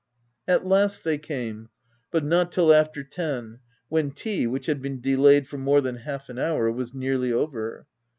At last, they came ; but not till after ten, when tea, which had been delayed for more than half an hour, was nearly over.